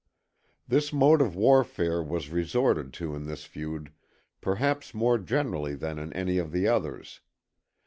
This mode of warfare was resorted to in this feud perhaps more generally than in any of the others.